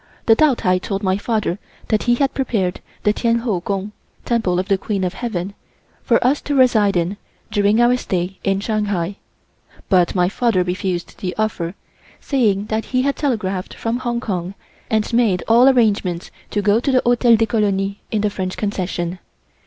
The Taotai told my father that he had prepared the Tien Ho Gung (Temple of the Queen of Heaven) for us to reside in during our stay in Shanghai, but my father refused the offer, saying that he had telegraphed from Hong Kong and made all arrangements to go to the Hotel des Colonies in the French Concession.